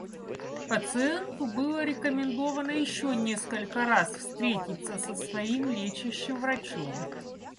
Пациенту было рекомендовано ещё несколько раз встретиться со своим лечащим врачом.